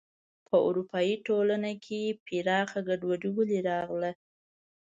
په اروپايي ټولنې کې پراخه ګډوډي ولې راغله.